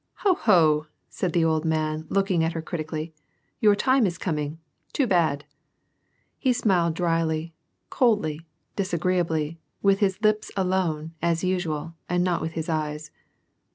"Ho! ho!" said the old man, looking at her critically, "your time is coming! too barl !" He smiled dryly, coldly, disagreeably, with his lips alone, as usual, and not with his eyes.